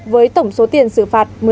với tổng số tiền xử phạt